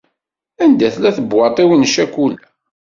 Anda tella tebwaḍt-iw n ccakula?